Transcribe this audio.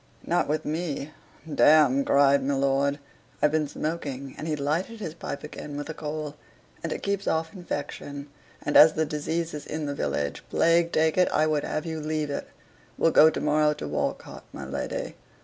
"Not with me, damme," cried my lord. "I've been smoking," and he lighted his pipe again with a coal "and it keeps off infection; and as the disease is in the village plague take it I would have you leave it. We'll go to morrow to Walcote, my lady."